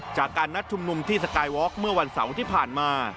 จากการนัดชุมนุมที่สกายวอร์กเมื่อวันเสาร์ที่ผ่านมา